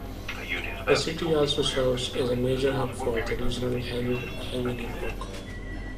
The city also serves as a major hub for the regional highway network.